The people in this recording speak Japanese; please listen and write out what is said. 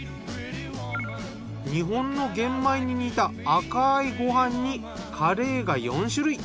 日本の玄米に似た赤いご飯にカレーが４種類。